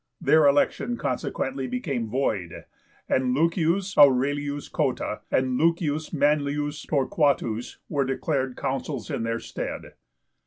Their election consequently became void, and L. Aurelius Cotta and L. Manlius Torquatus were declared Consuls in their stead.